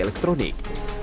ketua dpd golkar mengatakan